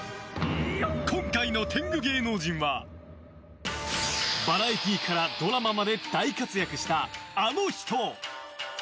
今回の天狗芸能人はバラエティーからドラマまで大活躍した、あの人。